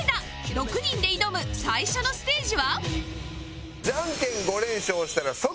６人で挑む最初のステージは